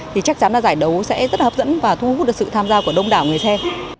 thì chắc chắn là giải đấu sẽ rất hấp dẫn và thu hút được sự tham gia của đông đảo người xem